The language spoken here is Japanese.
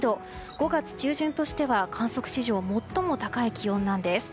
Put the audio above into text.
５月中旬としては観測史上最も高い気温なんです。